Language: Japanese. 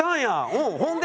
うんほんで？